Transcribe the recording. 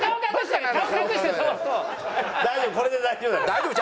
大丈夫。